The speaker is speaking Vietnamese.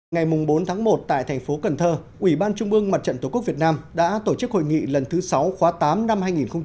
ngày bốn tháng một tại thành phố cần thơ ủy ban trung ương mặt trận tổ quốc việt nam đã tổ chức hội nghị lần thứ sáu khóa tám năm hai nghìn một mươi chín